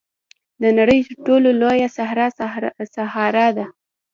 د نړۍ تر ټولو لویه صحرا سهارا ده.